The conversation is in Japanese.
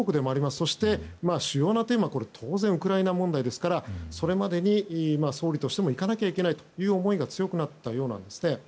そして、主要なテーマは当然ウクライナ問題ですからそれまでに総理としても行かなければならないという思いが強くなったようです。